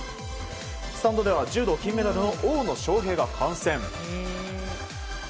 スタンドでは柔道金メダルの大野将平が観戦。